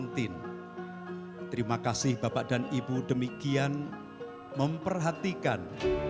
terima kasih bapak dan ibu demikian memperhatikan